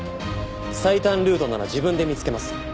最短ルートなら自分で見つけます。